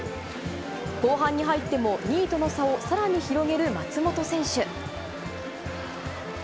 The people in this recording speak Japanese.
後半に入っても２位との差をさらに広げる松元選手。